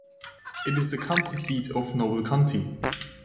It is the county seat of Noble County.